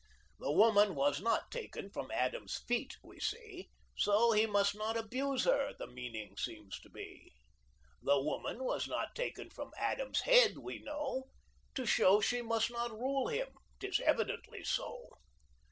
The woman was not taken From Adam's feet we see, So he must not abuse her, The meaning seems to be. The woman was not taken From Adam's head, we know, To show she must not rule him — 'Tis evidently so.